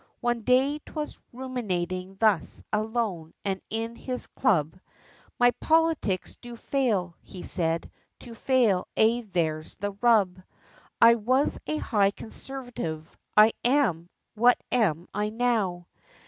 One day 'twas ruminating thus, alone, and in his club, "My politics do fail" he said "to fail, aye there's the rub, I was a high conservative; I am, what am I now?